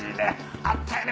あったよね！